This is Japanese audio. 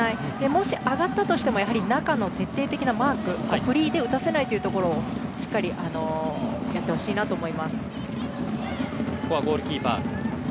もし上がったとしても中の徹底的なマークフリーで打たせないというところをしっかりやってほしいと思います。